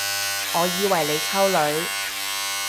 我以為你溝女